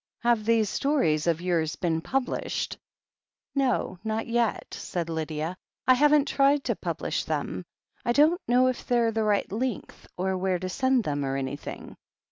'Have these stories of yours been published ?" 'No, not yet," said Lydia. "I haven't tried to pub lish them. I don't know if they're the right length, or where to send them, or anything."